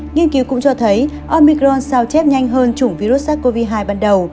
nghiên cứu cũng cho thấy omicron sao chép nhanh hơn chủng virus sars cov hai ban đầu